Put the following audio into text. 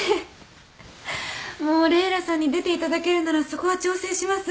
もうレイラさんに出ていただけるならそこは調整します。